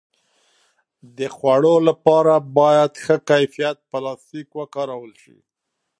د خوړو لپاره باید ښه کیفیت پلاستيک وکارول شي.